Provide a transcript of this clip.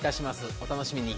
お楽しみに。